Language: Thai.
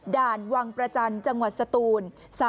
ด่านวังประจันทร์จังหวัดสตูน